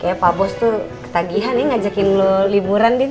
kayaknya pak bos tuh ketagihan ya ngajakin lo liburan din